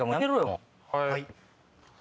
はい。